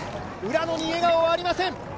浦野に笑顔はありません。